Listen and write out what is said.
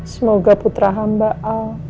semoga putra hamba al